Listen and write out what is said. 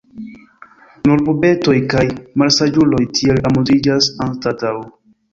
Nur bubetoj kaj malsaĝuloj tiel amuziĝas anstataŭ.